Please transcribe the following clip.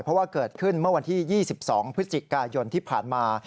เพราะว่าเกิดขึ้นเมื่อวันที่๒๒พฤศจิกายนที่ผ่านมา